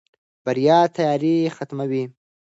بریا تیارې ختموي.